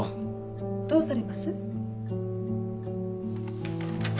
どうされます？